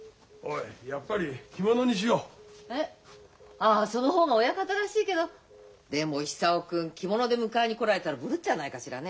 ああその方が親方らしいけどでも久男君着物で迎えに来られたらブルっちゃわないかしらね。